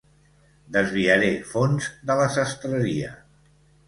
Desviaré fons de la sastreria.